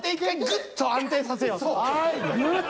グッと安定させよう。